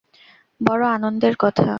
বড়ো আনন্দের কথা।